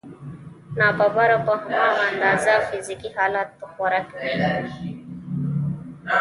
ناببره په هماغه اندازه فزيکي حالت غوره کوي.